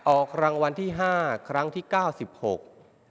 ออกรางวัลที่ห้าครั้งที่เก้าสิบหก